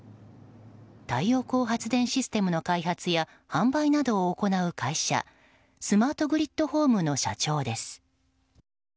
太陽光発電システムの開発や販売などを行う会社スマートグリッドホームの社長です。